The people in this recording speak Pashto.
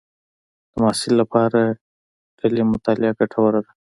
د محصل لپاره ډلې مطالعه ګټوره ده.